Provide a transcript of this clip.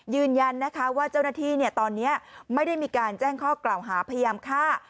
ยืนยันนะคะว่าเจ้าหน้าที่ตอนนี้ไม่ได้มีการแจ้งข้อกล่าวหาพยายามฆ่า